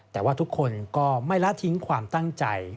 แต่ว่าทุกคนก็ไม่ละทิ้งความตั้งใจ